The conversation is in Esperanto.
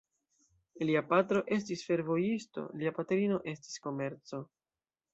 Lia patro estis fervojisto, lia patrino estis komerco.